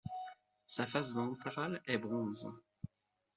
Sa face ventrale est bronze.